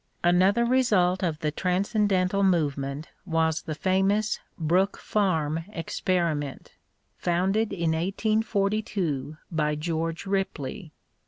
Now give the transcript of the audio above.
* Another result of the transcendental movement was the famous Brook Farm experiment, founded in 1842 by George Ripley.